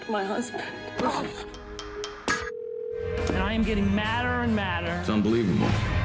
มันคงได้อยู่ในนี้แต่ไม่ใช่เรา